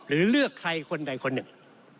หรือเลือกใครคนใดคนหนึ่ง